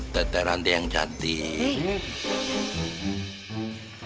teteh ranteh yang cantik